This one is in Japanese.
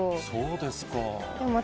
そうですか。